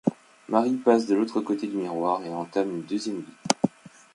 Marie passe de l'autre côté du miroir et entame une deuxième vie.